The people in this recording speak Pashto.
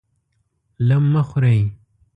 لم مه خورئ!